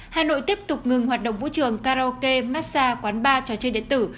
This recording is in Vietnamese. hà nội tiếp tục ngừng hoạt động vũ trường karaoke massage quán bar trò chơi điện tử